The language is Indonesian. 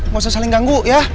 gak usah saling ganggu ya